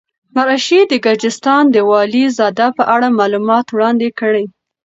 مرعشي د ګرجستان د والي زاده په اړه معلومات وړاندې کړي.